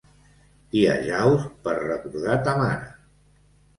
T'hi ajaus per recordar ta mare.